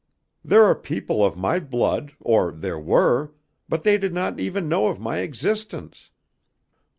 There are people of my blood, or there were, but they did not even know of my existence."